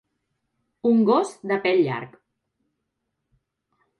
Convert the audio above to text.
Un gos de pèl llarg.